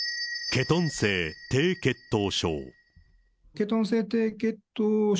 ケトン性低血糖症。